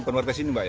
penuartes ini mbak ya